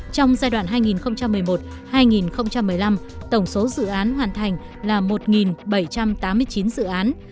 trong giai đoạn hai nghìn một mươi một hai nghìn một mươi năm tổng số dự án hoàn thành là một bảy trăm tám mươi chín dự án